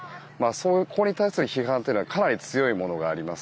そこに対する批判はかなり強いものがあります。